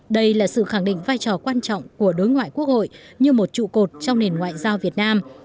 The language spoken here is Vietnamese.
đây là sự khẳng định vai trò quan trọng của đối ngoại quốc hội như một trụ cột trong nền ngoại giao việt nam